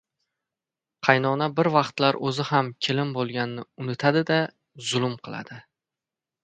• Qaynona bir vaqtlar o‘zi ham kelin bo‘lganini unutadi-da, zulm qiladi.